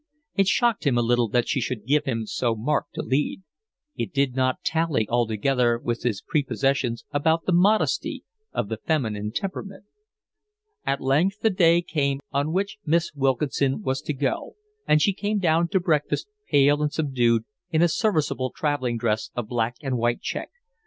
It shocked him a little that she should give him so marked a lead: it did not tally altogether with his prepossessions about the modesty of the feminine temperament. At length the day came on which Miss Wilkinson was to go, and she came down to breakfast, pale and subdued, in a serviceable travelling dress of black and white check.